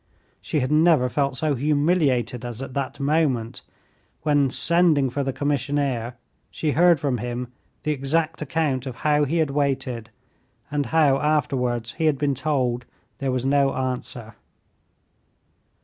She had never felt so humiliated as at the moment when, sending for the commissionaire, she heard from him the exact account of how he had waited, and how afterwards he had been told there was no answer.